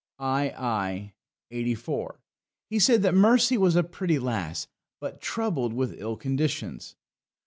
ii. 84. He said that Mercy was a pretty lass, but troubled with ill conditions."